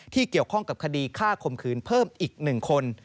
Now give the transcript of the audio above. เกี่ยวข้องกับคดีฆ่าข่มขืนเพิ่มอีก๑คน